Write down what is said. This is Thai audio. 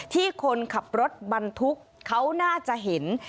ที่คนขับรถบรรทุกเขาน่าจะเห็น